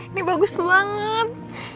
ini bagus banget